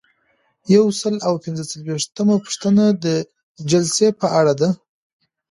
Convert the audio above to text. یو سل او پنځه څلویښتمه پوښتنه د جلسې په اړه ده.